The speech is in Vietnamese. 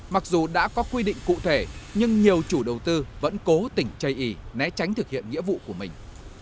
mặc dù đã có quy định cụ thể nhưng nhiều chủ đầu tư vẫn cố tình chây ý né tránh thực hiện nghĩa vụ của mình